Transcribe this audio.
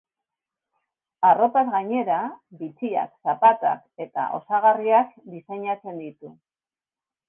Arropaz gainera, bitxiak, zapatak eta osagarriak diseinatzen ditu.